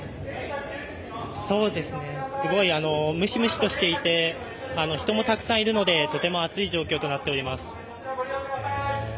そうですね、すごくムシムシとしていて人もたくさんいるのでとても暑い状況となっています。